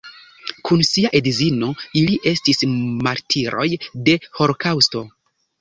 Kun sia edzino ili estis martiroj de holokaŭsto.